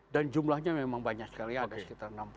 dan jumlahnya memang banyak sekali ada sekitar enam puluh